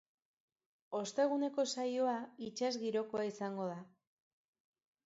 Osteguneko saioa itsas girokoa izango da.